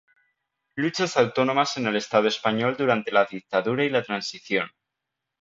Luchas autónomas en el estado español durante la dictadura y la transición